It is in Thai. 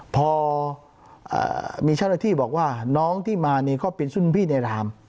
พอมีชะละที่บอกว่าน้องที่มาเนี่ยก็เป็นสุ่มพี่ในราม